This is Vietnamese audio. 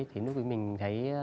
thì lúc đó mình thấy